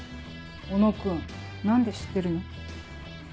小野君何で知ってるの？